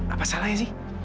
apa salahnya sih